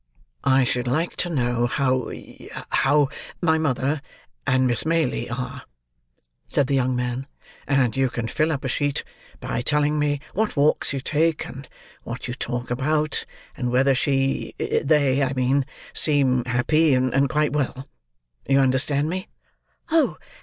"I should like to know how—how my mother and Miss Maylie are," said the young man; "and you can fill up a sheet by telling me what walks you take, and what you talk about, and whether she—they, I mean—seem happy and quite well. You understand me?" "Oh!